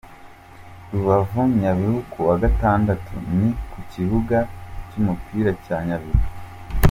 Rubavu-Nyabihu : Kuwa Gatandatu, ni ku kibuga cy’umupira cya Nyabihu.